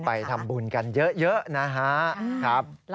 ไปทำบุญกันเยอะนะครับ